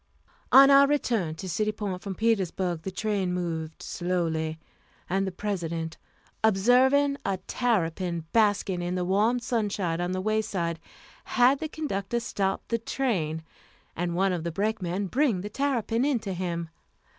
On our return to City Point from Petersburg the train moved slowly, and the President, observing a terrapin basking in the warm sunshine on the wayside, had the conductor stop the train, and one of the brakemen bring the terrapin in to him.